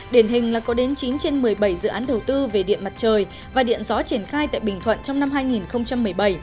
điển hình là có đến chín trên một mươi bảy dự án đầu tư về điện mặt trời và điện gió triển khai tại bình thuận trong năm hai nghìn một mươi bảy